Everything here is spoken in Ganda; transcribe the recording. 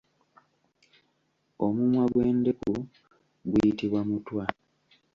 Omumwa gw’endeku guyitibwa mutwa.